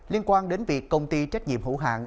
liên quan đến việc công ty trách nhiệm hữu hạng